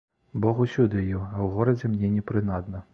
Бог усюды ё, а ў горадзе мне не прынадна.